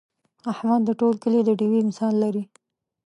احمد د ټول کلي د ډېوې مثال لري.